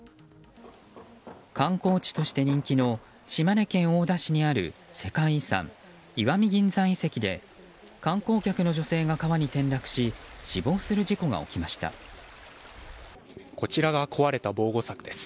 観光地として人気の島根県大田市にある世界遺産石見銀山遺跡で観光客の女性が川に転落しこちらが壊れた防護柵です。